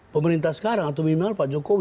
pemerintah sekarang atau minimal pak jokowi